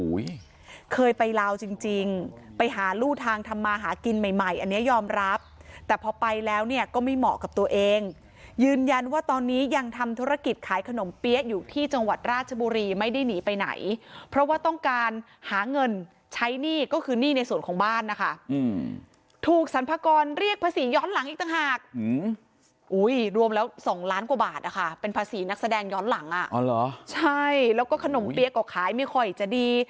อุ้ยเคยไปราวจริงจริงไปหาลู่ทางทำมาหากินใหม่ใหม่อันเนี้ยอมรับแต่พอไปแล้วเนี้ยก็ไม่เหมาะกับตัวเองยืนยันว่าตอนนี้ยังทำธุรกิจขายขนมเปี้๊ะอยู่ที่จังหวัดราชบุรีไม่ได้หนีไปไหนเพราะว่าต้องการหาเงินใช้หนี้ก็คือนี่ในส่วนของบ้านนะคะอืมถูกสรรพากรเรียกภาษีย้อนหลังอีกต่างหากอื